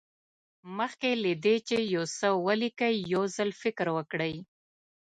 مخکې له دې چې یو څه ولیکئ یو ځل فکر وکړئ.